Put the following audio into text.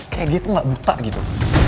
kayak dia tuh gak buta gitu